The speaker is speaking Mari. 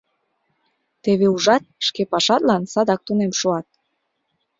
Теве ужат, шке пашатлан садак тунем шуат.